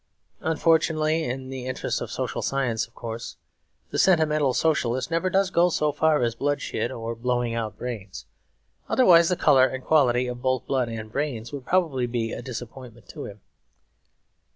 Unfortunately (in the interests of social science, of course) the sentimental socialist never does go so far as bloodshed or blowing out brains; otherwise the colour and quality of both blood and brains would probably be a disappointment to him.